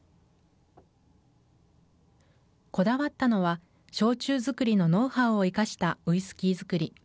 こだわったのは、焼酎造りのノウハウを生かしたウイスキー造り。